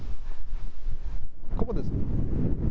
ここです。